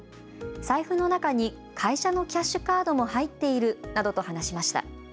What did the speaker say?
財布の中に会社のキャッシュカードも入っているなどと話しました。